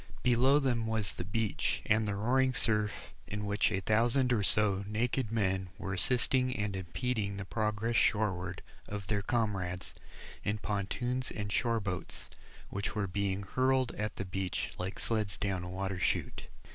Below them was the beach and the roaring surf, in which a thousand or so naked men were assisting and impeding the progress shoreward of their comrades, in pontoons and shore boats, which were being hurled at the beach like sleds down a water chute.